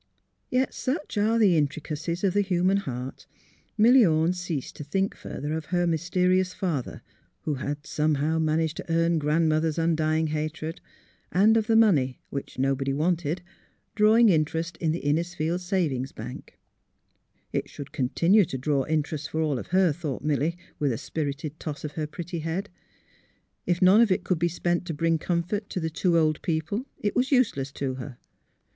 Yet, such are the intricacies of the human heart, Milly Orne ceased to think further of her myste rious father, who had somehow managed to earn Grandmother's undying hatred, and of the money, which nobody wanted, drawing interest in the Innisfield Savings Bank, It should continue to draw interest, for all of her, thought Milly, A LITTLE JOURNEY 113 with a spirited toss of her pretty head. If none of it could be spent to bring comfort to the two old people, it was useless to her.